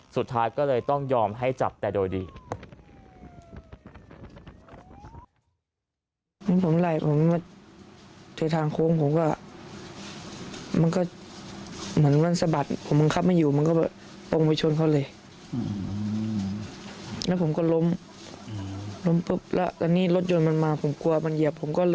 สุดท้ายก็เลยต้องยอมให้จับแต่โดยดี